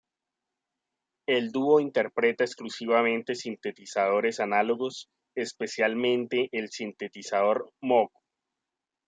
El dúo interpreta exclusivamente sintetizadores análogos, especialmente el sintetizador Moog.